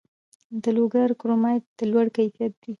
د لوګر کرومایټ د لوړ کیفیت دی